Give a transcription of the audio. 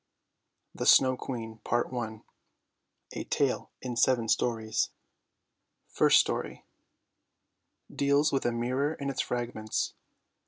THE SNOW QUEEN A TALE IN SEVEN STORIES FIRST STORY DEALS with a mirror and its fragments.